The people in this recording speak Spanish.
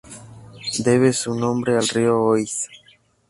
Debe su nombre al río Oise.